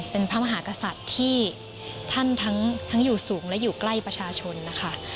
เป็นพระมหากษัตริย์ที่ท่านทั้งอยู่สูงและอยู่ใกล้ประชาชนนะคะ